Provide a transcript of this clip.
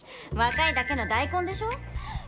若いだけの大根でしょ。